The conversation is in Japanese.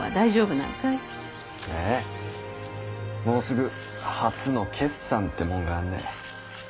もうすぐ初の決算ってもんがあんだい。